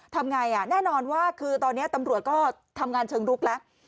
ทำไงแน่นอนว่าคือตอนนี้ตำรวจก็ทำงานเชิงรุกแล้ว